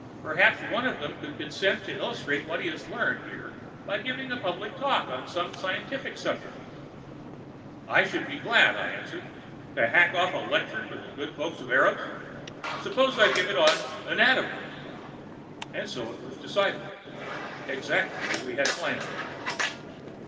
"Perhaps one of them would consent to illustrate what he has learned here by giving a public talk on some scientific subject." "I should be glad," I answered, "to hack off a lecture for the good folk of Eros. Suppose I give it on anatomy." And so it was decided. Exactly as we had planned.